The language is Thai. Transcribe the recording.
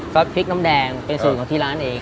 ก็พริกน้ำแดงเป็นสูตรของที่ร้านเอง